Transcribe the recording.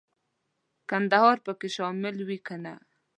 کندهار به پکې شامل وي کنه.